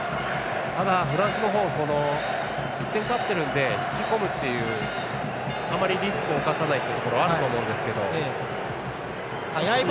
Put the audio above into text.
フランスの方１点、勝っているんで引き込むというあまりリスクを冒さないというところあると思うんですけど。